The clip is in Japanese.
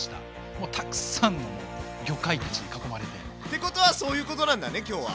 もうたくさんの魚介たちに囲まれて。ってことはそういうことなんだね今日は。